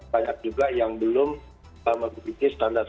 banyak juga yang belum memiliki standar